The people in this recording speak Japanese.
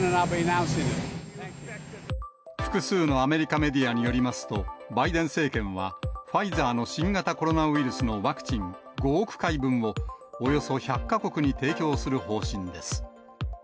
複数のアメリカメディアによりますと、バイデン政権は、ファイザーの新型コロナウイルスのワクチン５億回分を、およそ１００か国に提供する方針です。